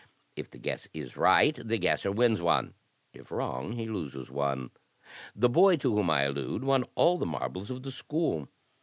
If the guess is right, the guesser wins one; if wrong, he loses o^e. The boy to whom I allude won all the marbles of the s^ool.